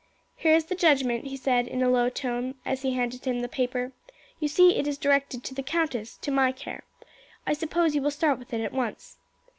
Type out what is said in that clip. "Here is the judgement," he said in a low tone, as he handed him the paper. "You see it is directed to the countess, to my care. I suppose you will start with it at once."